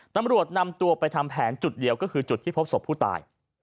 ตำรวจนำตัวไปทำแผนจุดเดียวก็คือจุดที่พบศพผู้ตาย